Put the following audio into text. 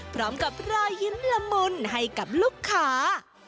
พร้อมกับรอยยิ้มละมุนให้กับลูกค้า